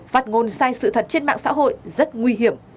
phát ngôn sai sự thật trên mạng xã hội rất nguy hiểm